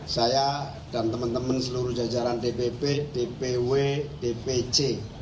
saya dan teman teman seluruh jajaran dpp dpw dpc